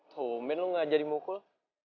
tumen lo gak jadi mukul